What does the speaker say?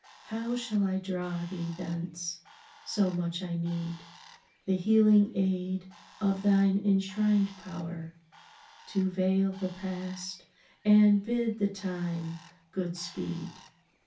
How shall I draw thee thence?—so much I needThe healing aid of thine enshrined powerTo veil the past, and bid the time good speed!